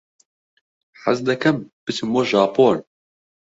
حەز دەکەم بچم بۆ ژاپۆن.